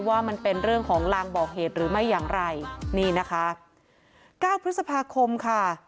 ว่ามันเป็นเรื่องของลางบอกเหตุหรือไม่อย่างไรนี่นะคะเก้าพฤษภาคมค่ะ